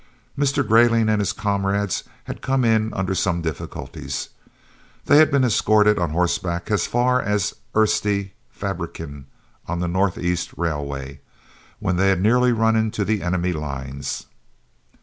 Mr. Greyling and his comrades had come in under some difficulties. They had been escorted on horseback as far as Eerste Fabrieken on the North east Railway, when they had nearly run into the enemy's lines.